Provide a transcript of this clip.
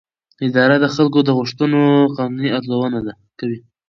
اداره د خلکو د غوښتنو قانوني ارزونه کوي.